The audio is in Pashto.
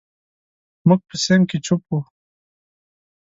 موږ په صنف کې چپ وو.